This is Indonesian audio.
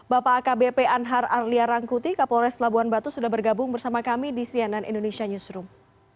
bapak akbp anhar arlia rangkuti kapolres labuan batu sudah bergabung bersama kami di cnn indonesia newsroom